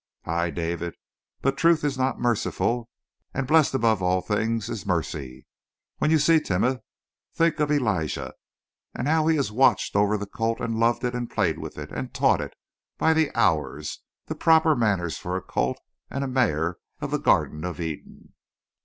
"Aye, David, but truth is not merciful, and blessed above all things is mercy. When you see Timeh, think of Elijah. How he has watched over the colt, and loved it, and played with it, and taught it, by the hours, the proper manners for a colt and a mare of the Garden of Eden."